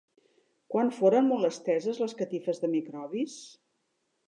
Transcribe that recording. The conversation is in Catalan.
Quan foren molt esteses les catifes de microbis?